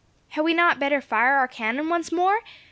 "Had we not better fire our cannon once more!"